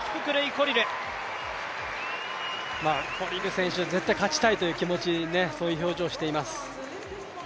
コリル選手、絶対勝ちたいというそういう表情しています。